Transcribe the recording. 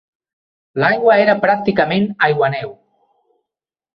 L'aigua era pràcticament aiguaneu